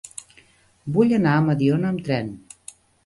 Vull anar a Mediona amb tren.